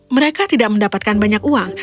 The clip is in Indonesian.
mereka tidak mendapatkan banyak uang